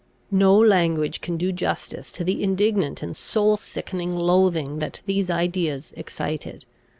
No language can do justice to the indignant and soul sickening loathing that these ideas excited.